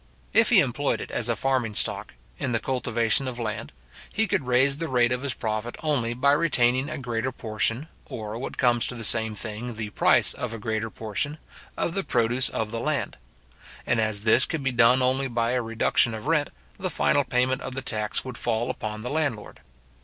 If he employed it as a farming stock, in the cultivation of land, he could raise the rate of his profit only by retaining a greater portion, or, what comes to the same thing, the price of a greater portion, of the produce of the land; and as this could be done only by a reduction of rent, the final payment of the tax would fall upon the landlord.